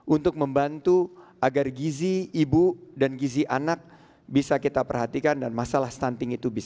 untuk membantu agar gizi ibu dan gizi anak bisa kita perhatikan dan masalah stunting itu bisa